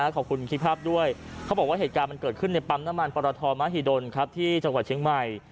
ขอบคุณคลิปภาพด้วยเขาบอกว่าเหตุการณ์มันเกิดขึ้นในปั๊มน้ำมันปรทมหิดลที่จังหวัดเชียงใหม่